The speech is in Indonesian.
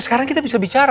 sekarang kita bisa bicara